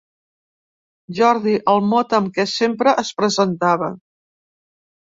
Jordi, el mot amb què sempre es presentava.